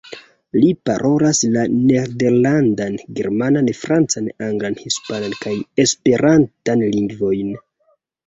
Li parolas la Nederlandan, Germanan, Francan, Anglan, Hispanan, kaj Esperantan lingvojn.